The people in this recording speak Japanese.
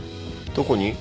どこに？